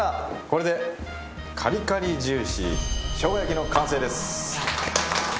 これでカリカリ＆ジューシーしょうが焼きの完成です。